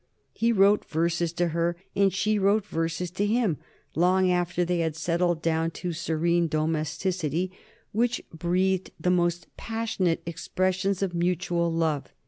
He wrote verses to her, and she wrote verses to him, long after they had settled down to serene domesticity, which breathe the most passionate expressions of mutual love.